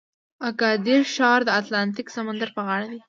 اګادیر ښار د اتلانتیک سمندر په غاړه دی.